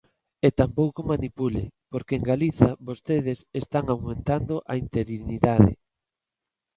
E tampouco manipule, porque en Galiza vostedes están aumentando a interinidade.